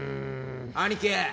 兄貴！